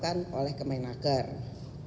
bangsa marduk yang memiliki tenaga turun